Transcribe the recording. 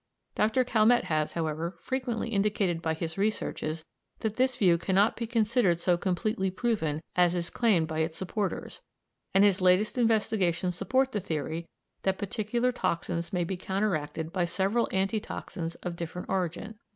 Dr. Calmette has, however, frequently indicated by his researches that this view cannot be considered so completely proven as is claimed by its supporters, and his latest investigations support the theory that particular toxins may be counteracted by several anti toxins of different origin.